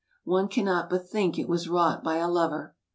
One cannot but think it was wrought by a lover.